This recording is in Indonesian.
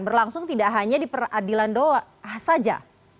berlangsung tidak hanya di peradilan doa saja